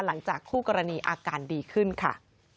หลังจากคู่กรณีอาการดีขึ้นค่ะ